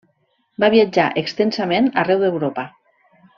Va viatjar extensament arreu d'Europa: